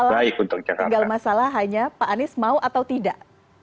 tinggal masalah hanya pak anies mau atau tidak